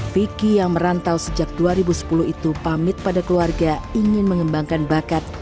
vicky yang merantau sejak dua ribu sepuluh itu pamit pada keluarga ingin mengembangkan bakat